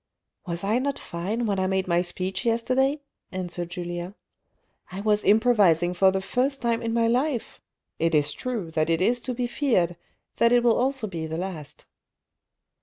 " Was I not fine when I made my speech yesterday ?" THE RED AND THE BLACK 503 answered Julien. " I was improvising for the first time in my life ! It is true that it is to be feared that it will also be the last."